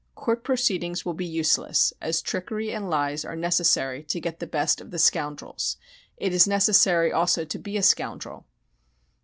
Court proceedings will be useless, as trickery and lies are necessary to get the best of the scoundrels. It is necessary also to be a scoundrel."